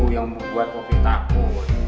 yang membuat poki takut